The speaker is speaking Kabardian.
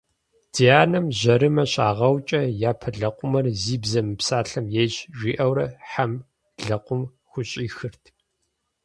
Ди анэм жьэрымэ щагъэукӏэ, «япэ лэкъумыр зи бзэ мыпсалъэм ейщ» жиӏэурэ хьэм лэкъум хущӏихырт.